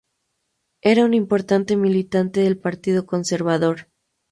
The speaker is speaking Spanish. Era un importante militante del Partido Conservador.